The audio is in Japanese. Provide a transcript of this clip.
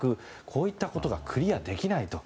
こういったことがクリアできないと。